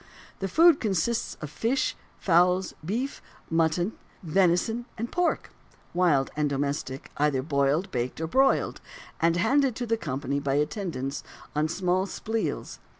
The food consisted of fish, fowls, beef, mutton, venison, and pork wild and domestic either boiled, baked, or broiled, and handed to the company by the attendants on small sples.